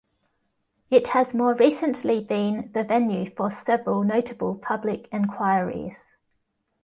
It has more recently been the venue for several notable public enquiries.